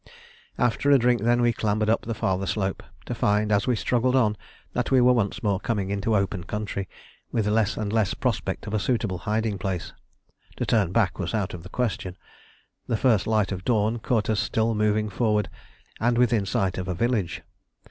After a drink, then, we clambered up the farther slope, to find as we struggled on that we were once more coming into open country, with less and less prospect of a suitable hiding place. To turn back was out of the question. The first light of dawn caught us still moving forward, and within sight of a village.